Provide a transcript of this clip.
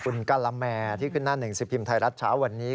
คุณกะละแมที่ขึ้นหน้าหนึ่งสิบพิมพ์ไทยรัฐเช้าวันนี้